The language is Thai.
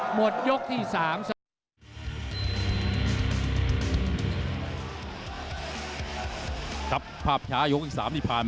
หมดยกที่สาม